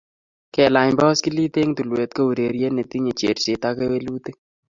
Kelany baskilit eng tulweet ko ureriet ne tinyei cherset ak kewelutik